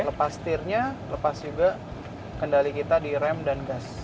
lepas tirnya lepas juga kendali kita di rem dan gas